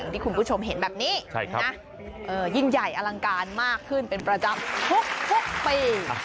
ที่คุณผู้ชมเห็นแบบนี้ยิ่งใหญ่อลังการมากขึ้นเป็นประจำทุกปี